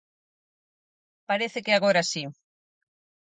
Parece que agora si.